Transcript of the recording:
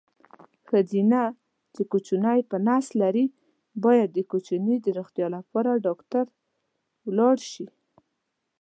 ښځېنه چې کوچینی په نس لري باید کوچیني د روغتیا لپاره ډاکټر ولاړ شي.